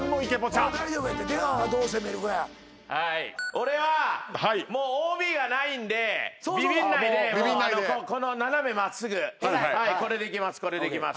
俺はＯＢがないんでビビんないでこの斜め真っすぐこれでいきます。